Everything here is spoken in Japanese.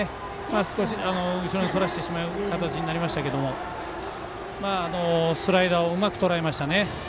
少し後ろにそらしてしまう形になりましたけどスライダーをうまくとらえましたね。